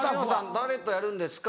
「誰とやるんですか？」